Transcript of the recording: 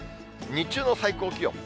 日中の最高気温。